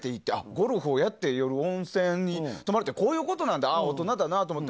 ゴルフをやって、夜温泉に泊まるってこういうことなんだ大人だなと思って。